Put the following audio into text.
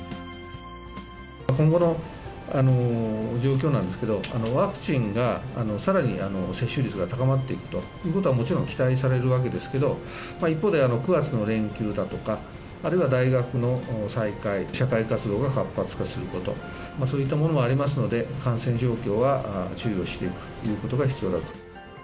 今後の状況なんですけど、ワクチンがさらに接種率が高まっていくということは、もちろん期待されるわけですけど、一方で、９月の連休だとか、あるいは大学の再開、社会活動が活発化すること、そういったものもありますので、感染状況は注意をしていくということが必要だと。